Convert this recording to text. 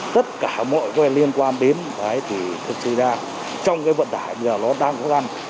tất cả mọi liên quan đến đấy thì thực sự ra trong cái vận tải bây giờ nó đang khó khăn